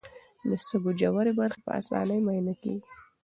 د سږو ژورې برخې په اسانۍ معاینه کېږي.